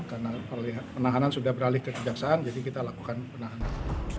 karena penahanan sudah beralih ke kejaksaan jadi kita lakukan penahanan